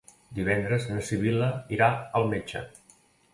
Divendres na Sibil·la irà al metge.